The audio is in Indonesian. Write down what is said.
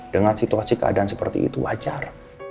dengan situasi keadaan seperti itu wajar